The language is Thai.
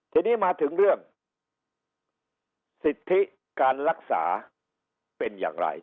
ทีนี้มาถึงเรื่องสิทธิการรักษาเป็นอย่างไร